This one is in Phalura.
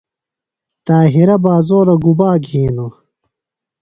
طاہرہ بازورہ گُبا گِھینوۡ؟